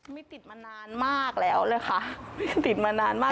ไม่ติดมานานมากแล้วเลยค่ะไม่ติดมานานมาก